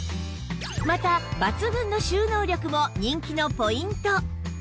また抜群の収納力も人気のポイント